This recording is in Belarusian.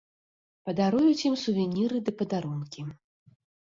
Падаруюць ім сувеніры ды падарункі.